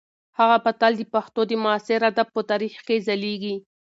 هغه به تل د پښتو د معاصر ادب په تاریخ کې ځلیږي.